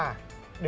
đến từ hà nội